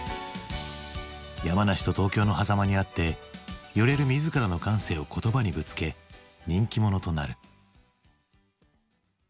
山梨と東京のはざまにあって揺れる自らの感性を言葉にぶつけ人気者となる。